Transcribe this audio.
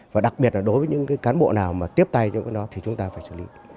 và đặc biệt là đối với những cán bộ nào mà tiếp tay những cái đó thì chúng ta phải xử lý